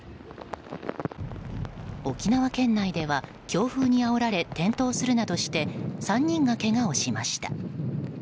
沖縄県内では強風にあおられ転倒するなどして３人がけがをしました。